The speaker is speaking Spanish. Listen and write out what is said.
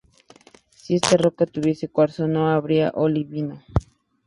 Si esta roca tuviese cuarzo, no habría olivino.